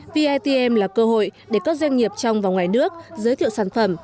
vitm là cơ hội để các doanh nghiệp trong và ngoài nước giới thiệu sản phẩm